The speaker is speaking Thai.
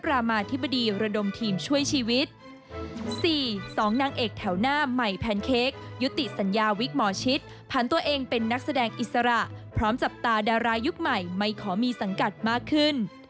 อาวิทย์หมอชิตผ่านตัวเองเป็นนักแสดงอิสระพร้อมจับตาดารายุคใหม่ไม่ขอมีสังกัดมากขึ้น